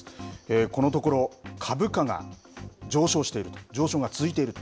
このところ、株価が上昇している、上昇が続いていると。